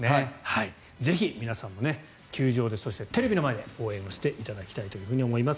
ぜひ皆さんも球場で、そしてテレビの前で応援をしていただきたいと思います。